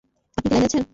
আপনি কি লাইনে আছেন?